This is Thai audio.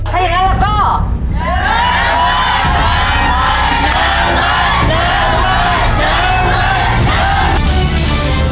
ถ้ายังงั้นล่ะก็